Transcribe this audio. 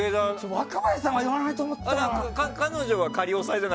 若林さんは言わないと思ってたな。